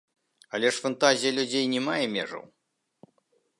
Але ж фантазія людзей не мае межаў.